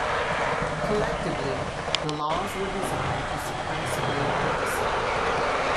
Collectively, the laws were designed to suppress political dissent.